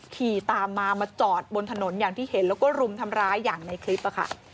ขี่ตามมามาจอดบนถนนอย่างที่เห็นแล้วก็รุมทำร้ายอย่างในคลิปค่ะ